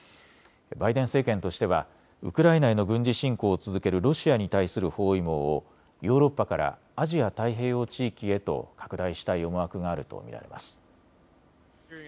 バイデン政権としてはウクライナへの軍事侵攻を続けるロシアに対する包囲網をヨーロッパからアジア太平洋地域へと拡大したい思惑があると見られます。